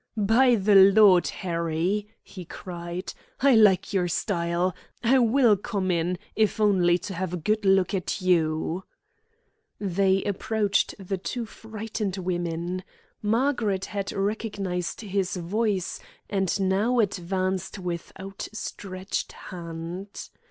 "By the Lord Harry," he cried, "I like your style! I will come in, if only to have a good look at you." They approached the two frightened women. Margaret had recognised his voice, and now advanced with outstretched hand.